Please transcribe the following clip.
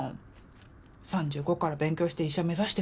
３５から勉強して医者目指してさ。